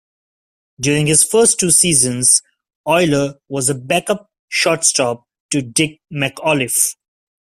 During his first two seasons, Oyler was a backup shortstop to Dick McAuliffe.